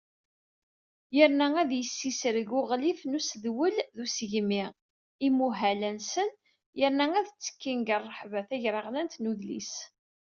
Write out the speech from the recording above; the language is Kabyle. Yerna ad yessisreg Uɣlif n Usedwel d Usegmi imuhal-a-nsen yerna ad ttekkin deg rreḥba tagraɣlant n udlis.